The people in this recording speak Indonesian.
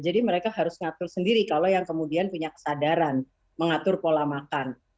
jadi mereka harus ngatur sendiri kalau yang kemudian punya kesadaran mengatur pola makan